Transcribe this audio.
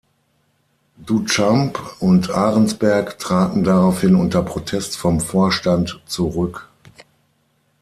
Duchamp und Arensberg traten daraufhin unter Protest vom Vorstand zurück.